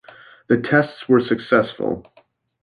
The tests were successful.